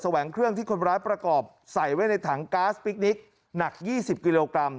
แหวงเครื่องที่คนร้ายประกอบใส่ไว้ในถังก๊าซพิคนิคหนัก๒๐กิโลกรัม